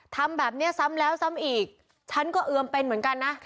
ทำแบบนี้ซ้ำแล้วซ้ำอีกฉันก็เอือมเป็นเหมือนกันนะ